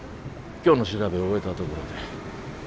今日の調べを終えたところで。